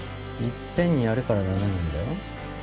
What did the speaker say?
いっぺんにやるから駄目なんだよ。